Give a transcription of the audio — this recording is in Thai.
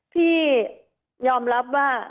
พี่ยอมรับว่า